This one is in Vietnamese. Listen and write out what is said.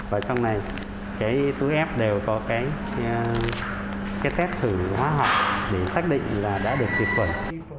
và trong này cái túi ép đều có cái test thử hóa học để xác định là đã được thực phẩm